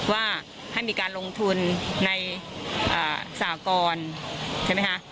ว่าให้มีการลงทุนในสากรใช่ไหมคะ